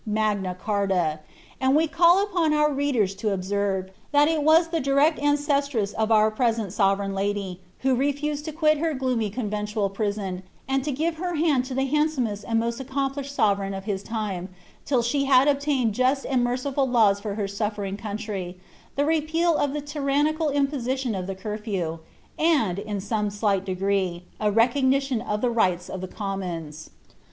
Magna Charta; and we ctdl upon our readers to obseivc, thai it was the direct ancestress of our present sovereign lady, who refused W quit her gloomy conventual prison, and to give her hand to the hand somest and most accompliBhed sovereign of his time, till she liad obtained jUBt and merciful laws for her suflering country, the repeal of the tytaa* nical imposiiion of the curfew, and, in some slight degree, a recogoiticai of the rights of the commons.